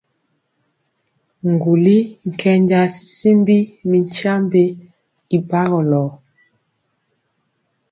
Ŋguli nkenja tyityimbi mi tyiambe y bagɔlo.